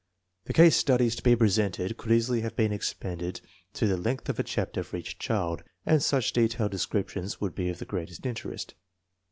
The case studies to be presented could easily have been expanded to the length of a chapter for each child, and such de tailed descriptions would be of the greatest interest.